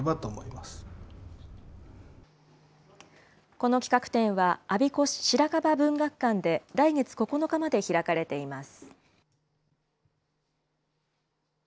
この企画展は、我孫子市白樺文学館で、来月９日まで開かれています。